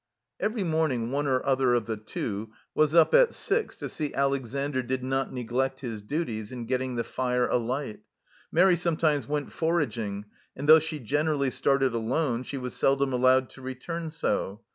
Every morning one or other of the Two was up at six to see Alexandre did not neglect his duties in getting the fire alight. Mairi sometimes went foraging, and though she generally started alone, she was seldom allowed to return so.